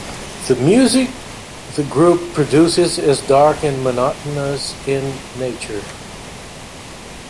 The music the group produces is dark and monotonous in nature.